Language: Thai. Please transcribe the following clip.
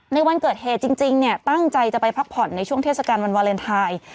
ในวันเกิดเหตุจริงเนี่ยตั้งใจจะไปพักผ่อนในช่วงเทศกาลวันวาเลนไทย